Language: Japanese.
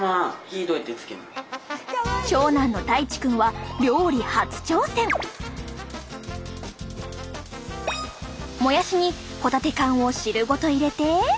長男のたいち君はもやしにホタテ缶を汁ごと入れて。